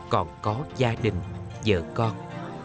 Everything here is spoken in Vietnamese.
còn có gia đình vợ con